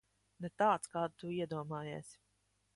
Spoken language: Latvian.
Ne tāds, kādu tu iedomājies.